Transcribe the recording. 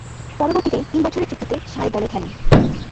পরবর্তীতে, তিন বছরের চুক্তিতে সারে দলে খেলেন।